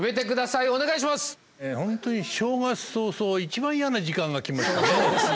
本当に正月早々一番嫌な時間が来ました。